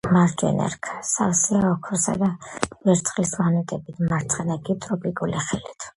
მარჯვენა რქა სავსეა ოქროსა და ვერცხლის მონეტებით, მარცხენა კი ტროპიკული ხილით.